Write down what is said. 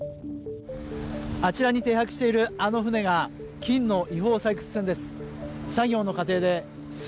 あちらに停泊しているあの船が金の違法採掘船です。